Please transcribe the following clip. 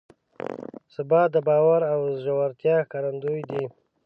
ثبات د باور د ژورتیا ښکارندوی دی.